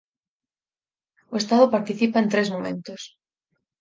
O Estado participa en tres «momentos».